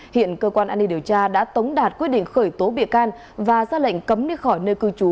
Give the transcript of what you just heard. hiện cơ quan an ninh điều tra đã tống đạt quyết định khởi tố bị can và ra lệnh cấm đi khỏi nơi cư trú